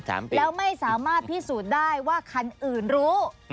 แล้วไม่สามารถพิสูจน์ได้ว่าคันอื่นรู้